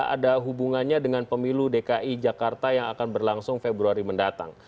ada hubungannya dengan pemilu dki jakarta yang akan berlangsung februari mendatang